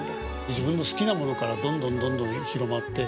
自分の好きなものからどんどんどんどん広まって。